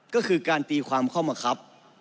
ก็คือการตีความข้อมังคับ